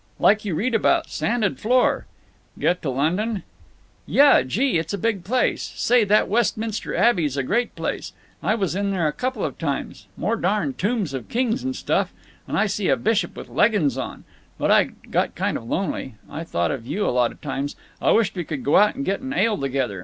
"—like you read about; sanded floor!" "Get to London?" "Yuh. Gee! it's a big place. Say, that Westminster Abbey's a great place. I was in there a couple of times. More darn tombs of kings and stuff. And I see a bishop, with leggins on! But I got kind of lonely. I thought of you a lot of times. Wished we could go out and get an ale together.